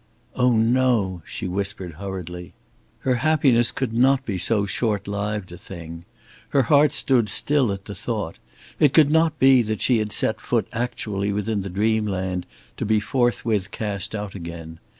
"Oh, no," she whispered hurriedly. Her happiness could not be so short lived a thing. Her heart stood still at the thought. It could not be that she had set foot actually within the dreamland, to be forthwith cast out again.